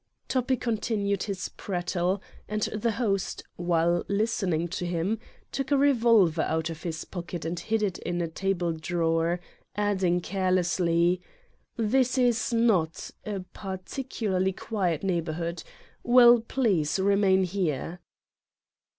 Toppi continued his prattle and the host, while listening to him, took a revolver out of his pocket and hid it in a table drawer, adding carelessly : "This is not a particularly quiet neighbor hood. Well, please, remain here.